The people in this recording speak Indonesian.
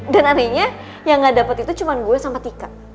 dan anehnya yang gak dapet itu cuma gue sama tika